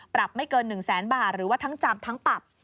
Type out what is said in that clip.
ปรับไม่เกิน๑แสนบาทหรือว่าทั้งจำทั้งปรับ